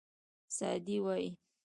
سعدي وایي.